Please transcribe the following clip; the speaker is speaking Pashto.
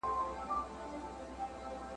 نارې د حق دي زیندۍ په ښار کي !.